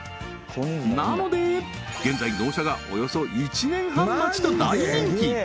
なので現在納車がおよそ１年半待ちと大人気！